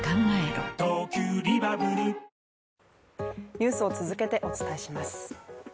ニュースを続けてお伝えします。